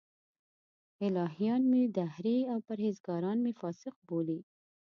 الهیان مې دهري او پرهېزګاران مې فاسق بولي.